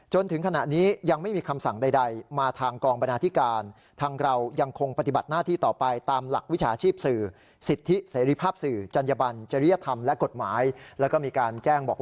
จนถึงขณะนี้ยังไม่มีคำสั่งใดมาทางกองบรรณาธิการ